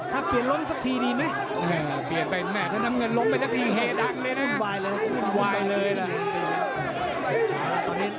ตอนนี้คุณไล่แขนไล่เหลี่ยมไล่แขนไล่เหลี่ยมไปเรื่อยครับ